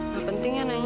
gak penting ya nanya